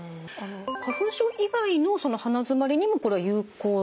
花粉症以外の鼻づまりにもこれは有効ですか？